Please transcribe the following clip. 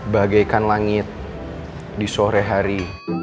bagaikan langit di sore hari